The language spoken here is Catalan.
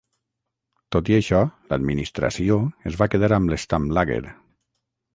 Tot i això l'administració es va quedar amb l'Stammlager.